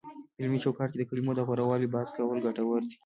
په علمي چوکاټ کې د کلمو د غوره والي بحث کول ګټور دی،